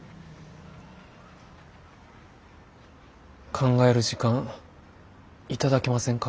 考える時間頂けませんか。